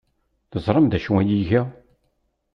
Teẓramt d acu ay iga?